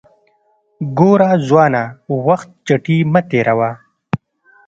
ګوره ځوانه وخت چټي مه تیروه